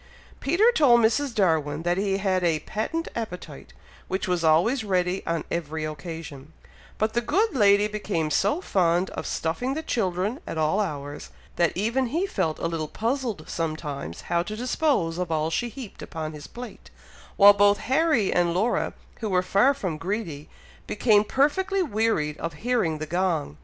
Peter told Mrs. Darwin that he had "a patent appetite," which was always ready on every occasion; but the good lady became so fond of stuffing the children at all hours, that even he felt a little puzzled sometimes how to dispose of all she heaped upon his plate, while both Harry and Laura, who were far from greedy, became perfectly wearied of hearing the gong.